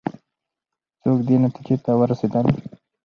څوک دې نتیجې ته ورسېدل؟